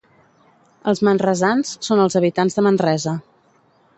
Els manresans són els habitants de Manresa.